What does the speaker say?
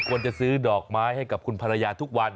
ควรจะซื้อดอกไม้ให้กับคุณภรรยาทุกวัน